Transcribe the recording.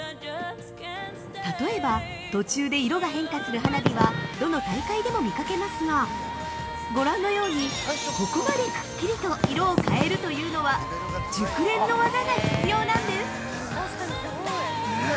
例えば、途中で色が変化する花火はどの大会でも見かけますがごらんのように、ここまでくっきりと色を変えるというのは熟練の技が必要なんです。